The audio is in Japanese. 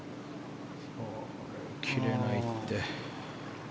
切れないって。